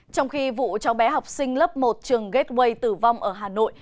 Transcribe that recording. trong khi vụ cháu bé học sinh lớp một trường gateway tử vong ở hà nội